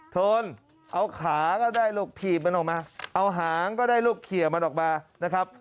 โทนเอาขาก็ได้ลูกถีบมันออกมาเอาหางก็ได้ลูกเขียมันออกมานะครับ